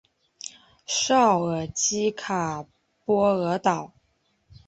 绍尔基卡波尔瑙。